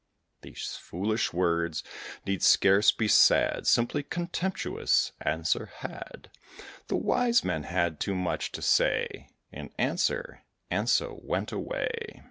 These foolish words, need scarce be said, Simply contemptuous answer had. The wise man had too much to say In answer, and so went away.